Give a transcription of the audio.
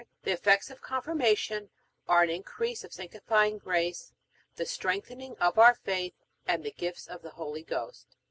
The effects of Confirmation are an increase of sanctifying grace, the strengthening of our faith, and the gifts of the Holy Ghost.